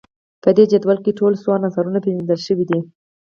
په دې جدول کې ټول څو عناصر پیژندل شوي دي